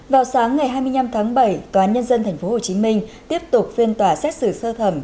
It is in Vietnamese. vào sáng ngày hai mươi năm tháng bảy tòa nhân dân tp hcm tiếp tục phiên tòa xét xử sơ thẩm